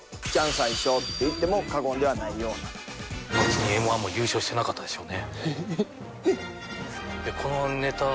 最初っていっても過言ではないようなＭ−１も優勝してなかったでしょうね